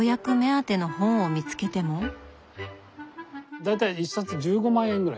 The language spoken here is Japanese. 大体１冊１５万円ぐらい。